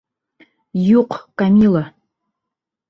Юҡ, Камила!